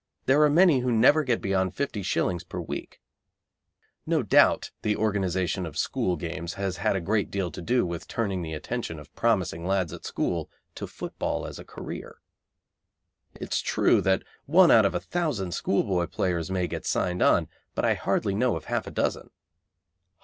There are many who never get beyond 50s. per week. No doubt the organisation of school games has had a great deal to do with turning the attention of promising lads at school to football as a career. It is true that one out of a thousand schoolboy players may get signed on, but I hardly know of half a dozen.